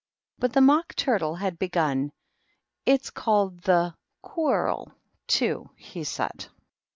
But the Mock Turtle had begun. " It's called the * Quarrel,^ too," he said.